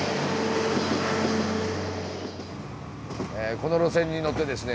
この路線に乗ってですね